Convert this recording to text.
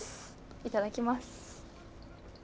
いただきます。